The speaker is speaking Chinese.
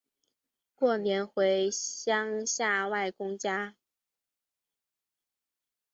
过年回乡下外公家